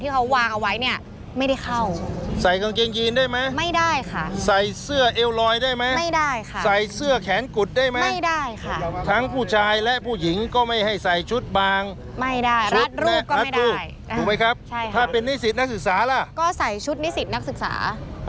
เพราะว่าพาแต่งตัวมา